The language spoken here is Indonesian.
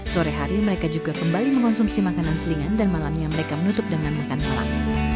sore hari mereka juga kembali mengonsumsi makanan selingan dan malamnya mereka menutup dengan makan malam